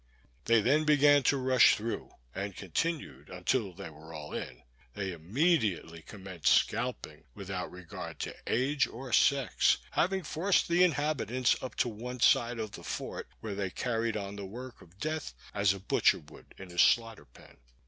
They then began to rush through, and continued until they were all in. They immediately commenced scalping, without regard to age or sex; having forced the inhabitants up to one side of the fort, where they carried on the work of death as a butcher would in a slaughter pen.